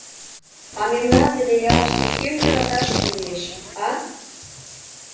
А мемнан дене ялыште кӧм йӧраташыже лиеш, а?